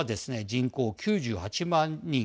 人口９８万人。